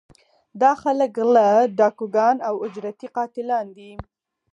دا خلک غلۀ ، ډاکوان او اجرتي قاتلان وي